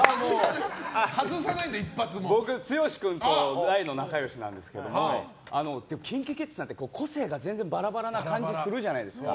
僕、剛君と大の仲良しなんですけどＫｉｎＫｉＫｉｄｓさんって個性がバラバラな感じがするじゃないですか。